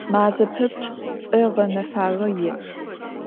Мазэ пэпчъ цӏэ гъэнэфагъэ иӏ.